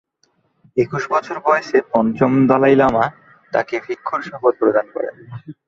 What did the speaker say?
একুশ বছর বয়সে পঞ্চম দলাই লামা তাকে ভিক্ষুর শপথ প্রদান করেন।